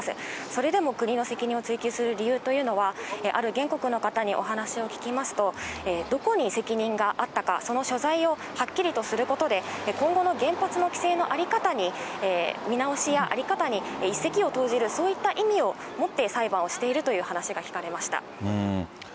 それでも国の責任を追及する理由というのは、ある原告の方にお話を聞きますと、どこに責任があったか、その所在をはっきりとすることで、今後の原発の規制の在り方に、見直しや在り方に一石を投じる、そういった意味を持って裁判をしているという話が聞かれました。